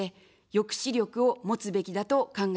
抑止力を持つべきだと考えております。